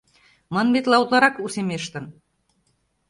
Манметла, утларак «усемештын».